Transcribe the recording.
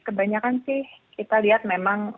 kebanyakan sih kita lihat memang